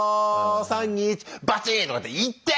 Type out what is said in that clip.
３２１バチッ！とかっていってえ！